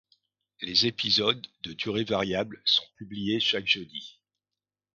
Les épisodes, de durée variable, sont publiés chaque jeudi.